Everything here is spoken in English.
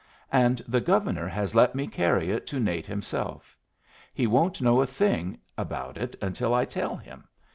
"And the Governor has let me carry it to Nate myself. He won't know a thing about it till I tell him.